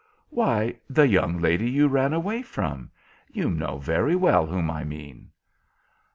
"Why, the young lady you ran away from. You know very well whom I mean."